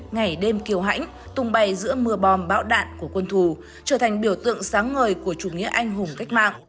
ngày đêm kiều hãnh tung bay giữa mưa bom bão đạn của quân thù trở thành biểu tượng sáng ngời của chủ nghĩa anh hùng cách mạng